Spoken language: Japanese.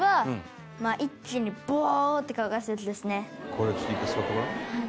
これちょっと１回座ってごらん。